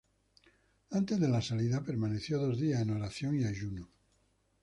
Antes de la salida permaneció dos días en oración y ayuno.